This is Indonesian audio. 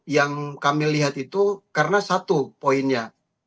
yang kami lihat itu karena satu poinnya